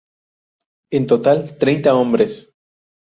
En total treinta hombres.